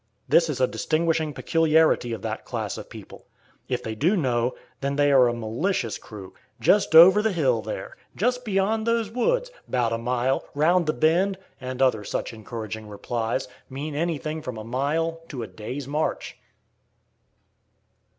This is a distinguishing peculiarity of that class of people. If they do know, then they are a malicious crew. "Just over the hill there," "Just beyond those woods," "'Bout a mile," "Round the bend," and other such encouraging replies, mean anything from a mile to a day's march!